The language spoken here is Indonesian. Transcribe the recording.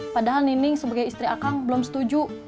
padahal nining sebagai istri akang belum setuju